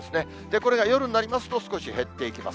これが夜になりますと少し減っていきます。